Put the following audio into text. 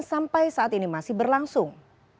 sampai saat ini masih berlangsung